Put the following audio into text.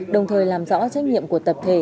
đồng thời làm rõ trách nhiệm của tập thể